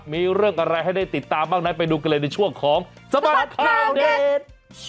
มีเรื่องอะไรให้ได้ติดตามบ้างนั้นไปดูกันเลยในช่วงของสบัดข่าวเด็ด